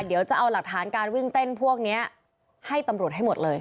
เดี๋ยวจะเอาหลักฐานการวิ่งเต้นพวกนี้ให้ตำรวจให้หมดเลย